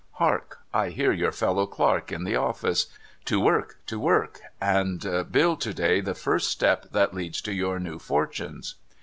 Hark ! I hear your fellow clerk in the office. To work ! to work ! and build to day the first step that leads to your new fortunes